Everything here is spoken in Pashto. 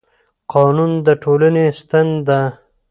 قانون د ټولنې ستن ده